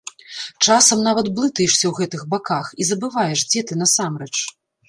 Часам нават блытаешся ў гэтых баках і забываеш, дзе ты насамрэч.